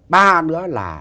ba nữa là